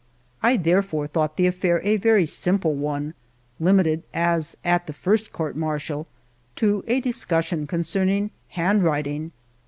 I therefore thought the affair a very simple one, Hmited, as at the first Court Martial, to a discussion concerning handwriting.